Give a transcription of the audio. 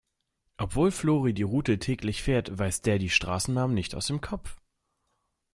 Obwohl Flori die Route täglich fährt, weiß der die Straßennamen nicht aus dem Kopf.